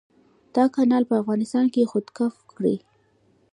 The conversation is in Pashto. دا کانال به افغانستان خودکفا کړي.